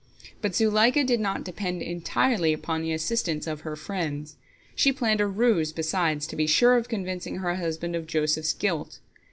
But Zuleika did not depend entirely upon the assistance of her friends. She planned a ruse, besides, to be sure of convincing her husband of Joseph's guilt.